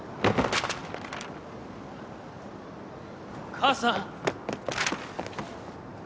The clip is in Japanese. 母さん！